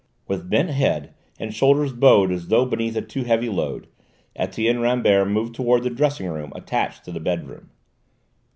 With bent head and shoulders bowed as though beneath a too heavy load, Etienne Rambert moved towards the dressing room attached to the bedroom.